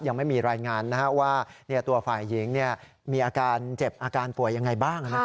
ยังไม่มีรายงานว่าตัวฝ่ายหญิงมีอาการเจ็บอาการป่วยยังไงบ้าง